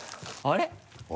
あれ？